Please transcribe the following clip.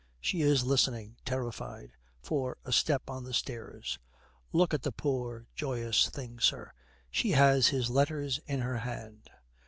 She is listening, terrified, for a step on the stairs. 'Look at the poor, joyous thing, sir. She has his letters in her hand.'